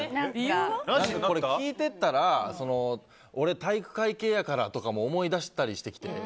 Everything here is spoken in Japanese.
これ、聞いてたら俺、体育会系やからとかも思い出したりしてきて。